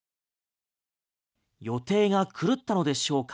予定が狂ったのでしょうか？